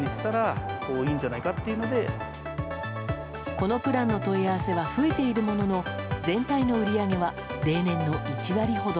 このプランの問い合わせは増えているものの全体の売り上げは例年の１割ほど。